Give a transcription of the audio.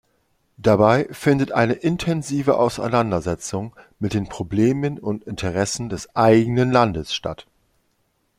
Dabei findet eine intensive Auseinandersetzung mit den Problemen und Interessen des „eigenen“ Landes statt.